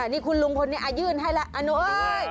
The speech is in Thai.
นี่คุณลุงคนเนี่ยอ่ะยื่นให้ล่ะอ่ะหนูเอ้ย